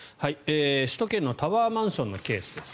首都圏のタワーマンションのケースです。